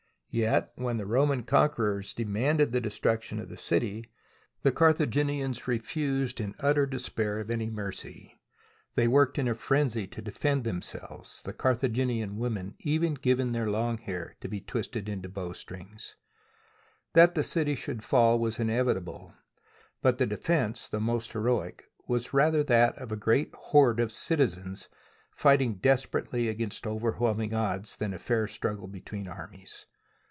Yet when the Roman conquerors demanded the destruction of the city, the Carthaginians refused, in utter despair of any mercy, and worked in a frenzy to defend THE BOOK OF FAMOUS SIEGES themselves, the Carthaginian women even giving their long hair to be twisted into bowstrings. That the city should fall was inevitable, but the defence, though most heroic, was rather that of a great horde of citizens fighting desperately against overwhelm ing odds, than a fair struggle between armies.